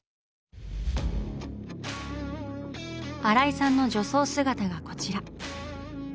新井さんの女装姿がこちら。